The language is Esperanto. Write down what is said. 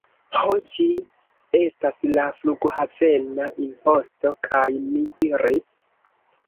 Ho, ĝi estas la... flughavena imposto. kaj mi diris: